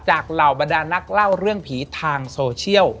เหล่าบรรดานักเล่าเรื่องผีทางโซเชียล